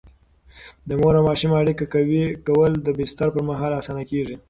د مور او ماشوم اړیکه قوي کول د بستر پر مهال اسانه کېږي.